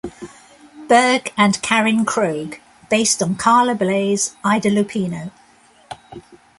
Bergh and Karin Krog, based on Carla Bley's "Ida Lupino".